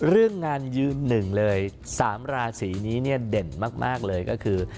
เรื่องงานยืนหนึ่งเลย๓ราศีนี้เนี่ยเด่นมากเลยก็คือ